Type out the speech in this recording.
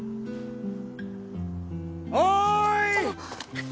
おい！